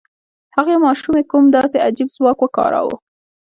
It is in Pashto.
هغې ماشومې کوم داسې عجيب ځواک وکاراوه؟